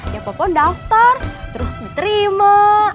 ya pokoknya daftar terus diterima